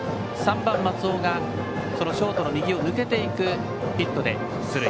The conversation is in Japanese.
３番、松尾がショートの右を抜けていくヒットで出塁。